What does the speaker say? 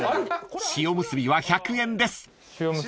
［塩むすびは１００円です］